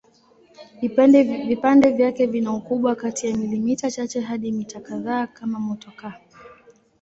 Vipande vyake vina ukubwa kati ya milimita chache hadi mita kadhaa kama motokaa.